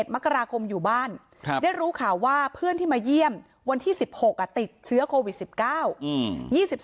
มกราคมอยู่บ้านได้รู้ข่าวว่าเพื่อนที่มาเยี่ยมวันที่๑๖ติดเชื้อโควิด๑๙